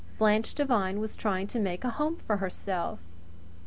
Blanche Devine was trying to make a home for herself.